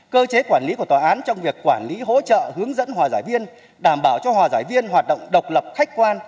cơ chế quản lý của tòa án trong việc quản lý hỗ trợ hướng dẫn hòa giải viên đảm bảo cho hòa giải viên hoạt động độc lập khách quan